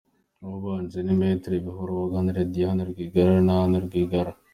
Uwabanje ni Me Buhuru wunganira Diane Rwigara na Anne Rwigara.